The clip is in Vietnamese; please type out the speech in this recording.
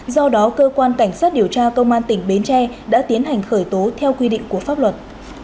do đó cơ quan cảnh sát điều tra công an tỉnh bến tre đã tiến hành khởi tố theo quy định của pháp luật